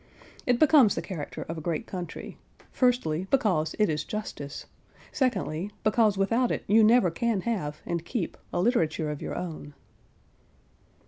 It becomes the character of a great country; firstly, because it is justice; secondly, because without it you never can have, and keep, a literature of your own.